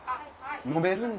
飲めるんだ。